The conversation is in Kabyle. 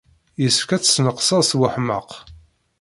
Yessefk ad tesneqsed seg weḥmaq.